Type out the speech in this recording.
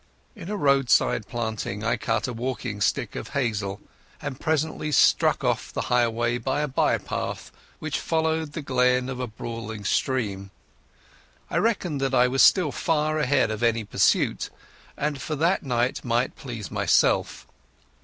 In a roadside planting I cut a walking stick of hazel, and presently struck off the highway up a by path which followed the glen of a brawling stream. I reckoned that I was still far ahead of any pursuit, and for that night might please myself.